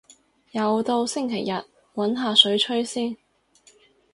又到星期日，搵下水吹先